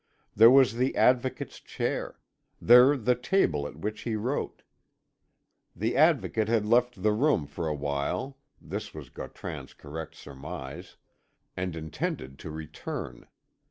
There was the Advocate's chair, there the table at which he wrote. The Advocate had left the room for a while this was Gautran's correct surmise and intended to return.